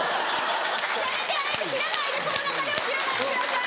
やめてやめて切らないでこの流れを切らないでください！